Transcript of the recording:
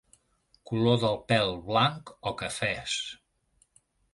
Color del pèl blanc o cafès.